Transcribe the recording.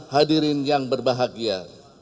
hadirin yang berbahagia